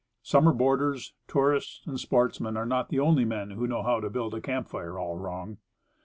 Summer boarders, tourists and sportsmen, are not the only men who know how to build a camp fire all wrong.